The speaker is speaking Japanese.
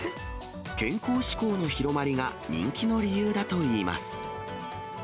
健康志向の広まりが人気の理由だといいます。